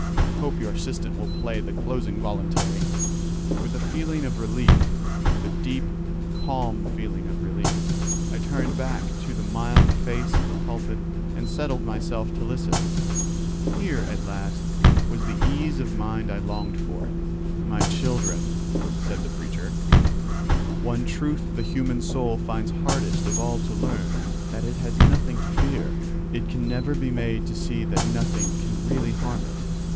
I hope your assistant will play the closing voluntary." With a feeling of relief—with a deep, calm feeling of relief, I turned back to the mild face in the pulpit and settled myself to listen. Here, at last, was the ease of mind I longed for. "My children," said the preacher, "one truth the human soul finds hardest of all to learn: that it has nothing to fear. It can never be made to see that nothing can really harm it."